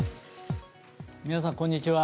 皆さん、こんにちは。